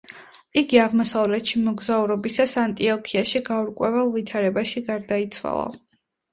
იგი აღმოსავლეთში მოგზაურობისას, ანტიოქიაში გაურკვეველ ვითარებაში გარდაიცვალა.